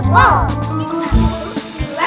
satu dua tiga